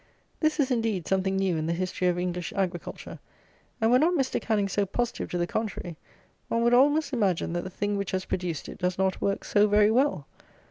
This is, indeed, something new in the History of English Agriculture; and were not Mr. Canning so positive to the contrary, one would almost imagine that the thing which has produced it does not work so very well.